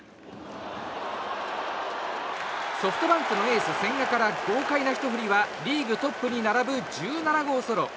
ソフトバンクのエース千賀から豪快なひと振りはリーグトップに並ぶ１７号ソロ。